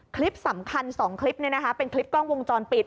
คลิปสำคัญ๒คลิปเป็นคลิปกล้องวงจรปิด